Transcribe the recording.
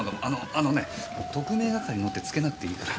あのね「特命係の」って付けなくていいから。